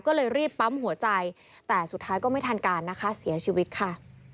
ก็เลยรีบปั๊มหัวใจแต่สุดท้ายก็ไม่ทันการนะคะเสียชีวิตค่ะ